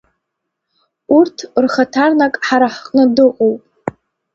Урҭ рхаҭарнак ҳара ҳҟны дыҟоуп.